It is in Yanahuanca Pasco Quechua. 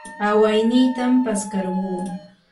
awaynitam paskarquu.